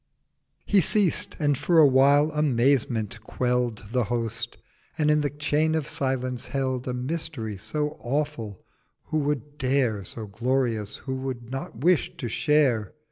He ceased, and for awhile Amazement quell'd The Host, and in the Chain of Silence held: A Mystery so awful who would dare— So glorious who would not wish—to share?